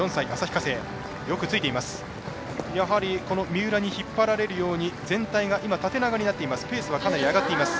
三浦に引っ張られるように全体が縦長になっています。